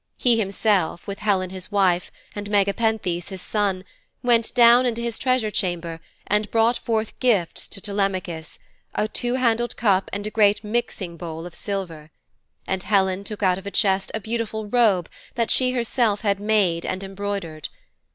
He himself, with Helen his wife, and Megapenthes, his son, went down into his treasure chamber and brought forth for gifts to Telemachus a two handled cup and a great mixing bowl of silver. And Helen took out of a chest a beautiful robe that she herself had made and embroidered.